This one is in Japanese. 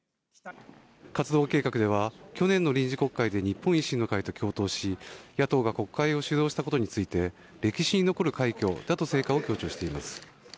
活動計画では、去年の臨時国会で日本維新の会と共闘、野党が国会を主導したことについて、歴史に残る快挙だと成果を強調しています。